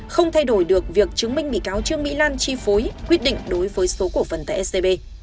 không thay đổi được việc chứng minh bị cáo trương mỹ lan chi phối quyết định đối với số cổ phần tại scb